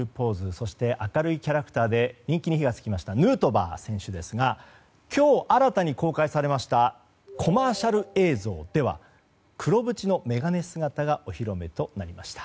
そして、明るいキャラクターで人気に火が付きましたヌートバー選手ですが今日新たに公開されましたコマーシャル映像では黒縁の眼鏡姿がお披露目となりました。